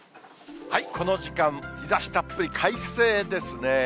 この時間、日ざしたっぷり快晴ですね。